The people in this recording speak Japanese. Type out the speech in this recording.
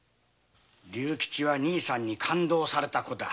竜吉は兄さんに勘当された子だ。